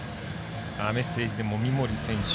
メッセージでも三森選手